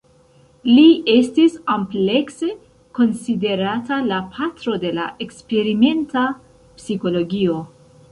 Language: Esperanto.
Li estis amplekse konsiderata la "patro de la eksperimenta psikologio".